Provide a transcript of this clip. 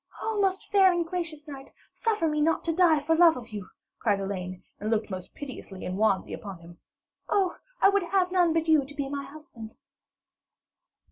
'O fair and gracious knight, suffer me not to die for love of you,' cried Elaine, and looked most piteously and wanly upon him. 'Oh, I would have none but you to be my husband.'